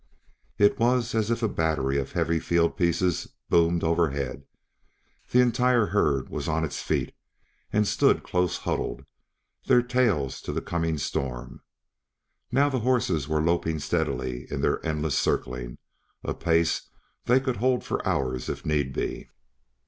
It was as if a battery of heavy field pieces boomed overhead. The entire herd was on its feet and stood close huddled, their tails to the coming storm. Now the horses were loping steadily in their endless circling a pace they could hold for hours if need be.